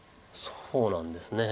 そうなんですね。